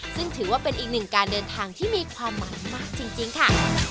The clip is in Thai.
ซึ่งถือว่าเป็นอีกหนึ่งการเดินทางที่มีความหมายมากจริงค่ะ